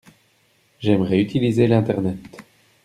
J’aimerais utiliser l’Internet.